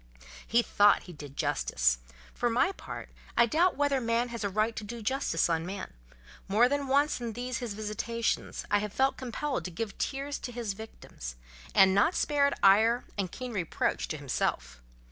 He thought he did justice; for my part I doubt whether man has a right to do such justice on man: more than once in these his visitations, I have felt compelled to give tears to his victims, and not spared ire and keen reproach to himself.